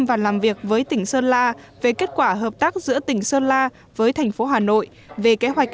và làm việc với tỉnh sơn la về kết quả hợp tác giữa tỉnh sơn la với thành phố hà nội về kế hoạch